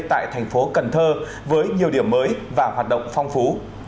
tại thành phố cần thơ với nhiều điểm mới và hoạt động phong phú